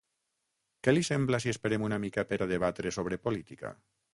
Què li sembla si esperem una mica per a debatre sobre política?